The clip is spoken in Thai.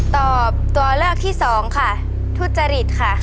ตอบตัวเลือกที่สองค่ะทุจริตค่ะ